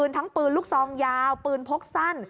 ทั้งปืนลูกซองยาวปืนพกสั้น